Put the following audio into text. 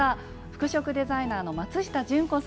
服飾デザイナーの松下純子さんです。